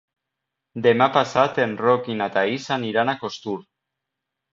Demà passat en Roc i na Thaís aniran a Costur.